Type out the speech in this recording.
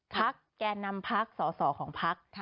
ทักแกนำพัครสอส่อของพัก